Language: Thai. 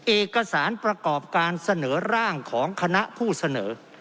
เอกสารประกอบการเสนอร่างของคณะผู้เสนอ